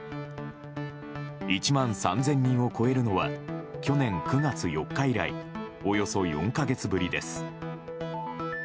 １万３０００人を超えるのは去年９月４日以来およそ４か月ぶりです。